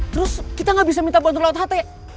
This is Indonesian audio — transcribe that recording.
terus kita gak bisa minta bantuan laut ht